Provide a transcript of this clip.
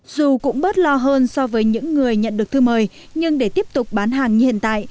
dù cũng bớt lo hơn so với những người nhận được thư mời nhưng để tiếp tục bán hàng như hiện tại